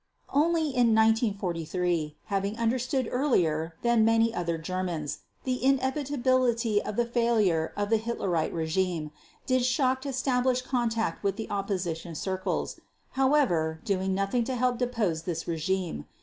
Only in 1943, having understood earlier than many other Germans, the inevitability of the failure of the Hitlerite regime, did Schacht establish contact with the opposition circles, however, doing nothing to help depose this regime.